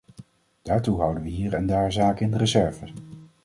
Daartoe houden we hier en daar zaken in de reserve.